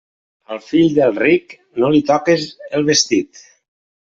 Al fill del ric, no li toques el vestit.